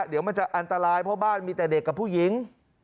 เดี๋ยวมันจะอันตรายเพราะบ้านมีแต่เด็กกับผู้หญิง